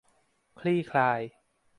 คลี่คลาย